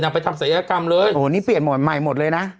ไปทำศัยกรรมเลยโอ้โหนี่เปลี่ยนหมดใหม่หมดเลยนะ